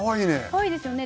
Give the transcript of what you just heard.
かわいいですよね。